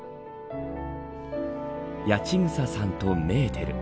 八千草さんとメーテル。